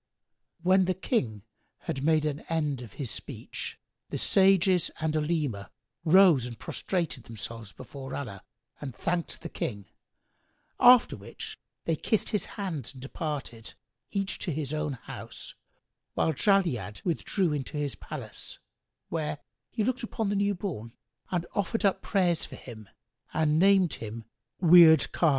When the King had made an end of his speech, the sages and Olema rose and prostrated themselves before Allah and thanked the King; after which they kissed his hands and departed, each to his own house, whilst Jali'ad withdrew into his palace, where, he looked upon the new born and offered up prayers for him and named him Wird Khбn.